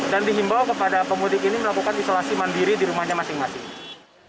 dan dihimbau kepada pemudik ini melakukan isolasi mandiri di rumahnya masing masing